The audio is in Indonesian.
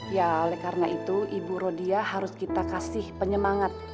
ya oleh karena itu ibu rodia harus kita kasih penyemangat